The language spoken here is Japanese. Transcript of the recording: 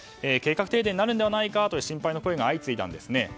計画停電になるのではないかと心配の声が相次いだんですね。